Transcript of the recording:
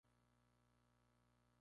Se han recopilado en diversos formatos.